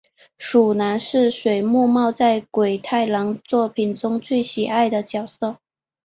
鼠男是水木茂在鬼太郎作品中最喜爱的角色。